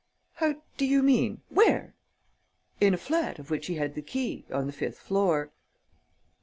"How do you mean? Where?" "In a flat of which he had the key, on the fifth floor."